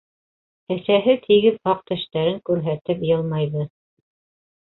Әсәһе тигеҙ аҡ тештәрен күрһәтеп йылмайҙы: